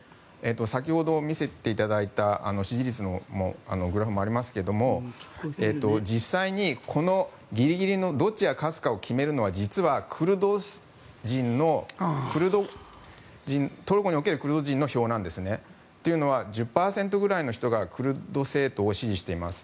先ほど見せていただいた支持率のグラフもありますが実際にこのギリギリのどっちが勝つかを決めるのは実はトルコにおけるクルド人の票なんですね。というのは１０％くらいの人がクルド政党を支持しています。